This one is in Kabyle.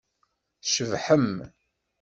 Tcebḥem.